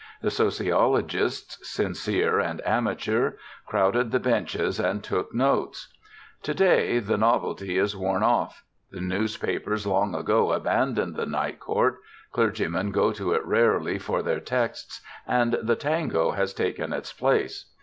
The sociologists, sincere and amateur, crowded the benches and took notes. To day the novelty is worn off. The newspapers long ago abandoned the Night Court, clergymen go to it rarely for their texts, and the tango has taken its place.